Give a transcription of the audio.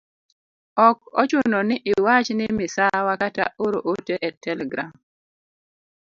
Ok ochuno ni iwach ni misawa kata oro ote e telegram.